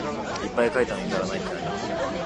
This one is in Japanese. いっぱい書いたのに足らないってなに？